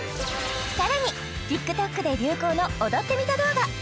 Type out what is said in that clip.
さらにＴｉｋＴｏｋで流行の踊ってみた動画